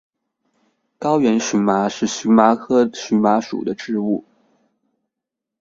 高原荨麻是荨麻科荨麻属的植物。